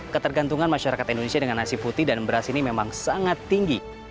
ketergantungan masyarakat indonesia dengan nasi putih dan beras ini memang sangat tinggi